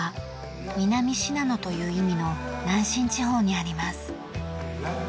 南信濃という意味の南信地方にあります。